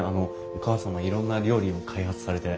お母様いろんな料理を開発されて。